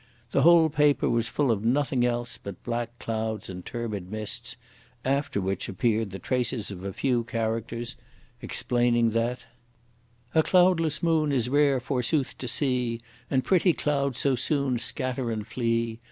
The whole paper was full of nothing else but black clouds and turbid mists, after which appeared the traces of a few characters, explaining that A cloudless moon is rare forsooth to see, And pretty clouds so soon scatter and flee!